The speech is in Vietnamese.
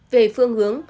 về phương hướng